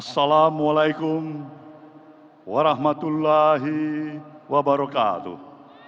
assalamualaikum warahmatullahi wabarakatuh